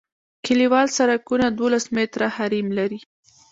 کلیوال سرکونه دولس متره حریم لري